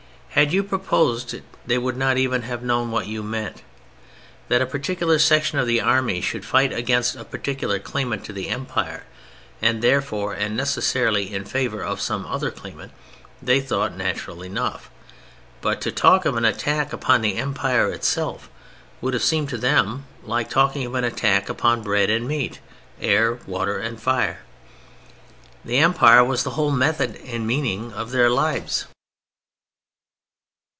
Had you proposed it they would not even have known what you meant. That a particular section of the army should fight against a particular claimant to the Empire (and therefore and necessarily in favor of some other claimant) they thought natural enough; but to talk of an attack upon the Empire itself would have seemed to them like talking of an attack upon bread and meat, air, water and fire. The Empire was the whole method and meaning of their lives.